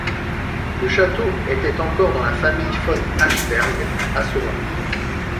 Le château était encore dans la famille von Ascheberg à ce moment.